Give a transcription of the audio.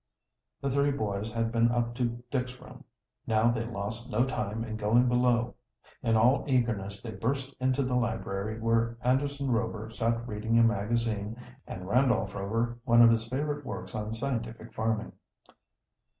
The three boys had been up to Dick's room. Now they lost no time in going below. In all eagerness they burst into the library, where Anderson Rover sat reading a magazine and Randolph Rover one of his favorite works on scientific farming.